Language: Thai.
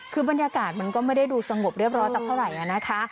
คือบรรยากาศมันก็ไม่ได้ดูสงบเรียบร้อยสักเท่าไหร่นะคะ